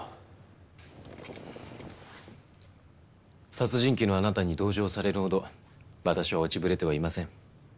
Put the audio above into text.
殺人鬼のあなたに同情されるほど私は落ちぶれてはいません。